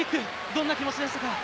どんな気持ちでしたか？